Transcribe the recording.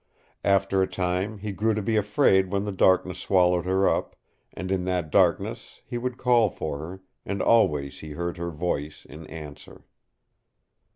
After a time he grew to be afraid when the darkness swallowed her up, and in that darkness he would call for her, and always he heard her voice in answer.